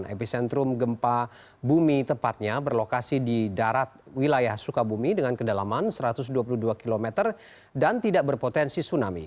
epicentrum gempa bumi tepatnya berlokasi di darat wilayah sukabumi dengan kedalaman satu ratus dua puluh dua km dan tidak berpotensi tsunami